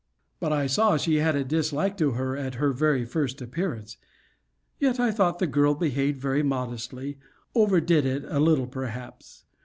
But I saw she had a dislike to her at her very first appearance; yet I thought the girl behaved very modestly over did it a little perhaps.